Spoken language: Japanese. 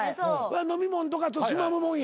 飲み物とかつまむもんやなだいたい。